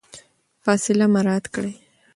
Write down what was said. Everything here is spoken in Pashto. فاصله مراعات کړئ.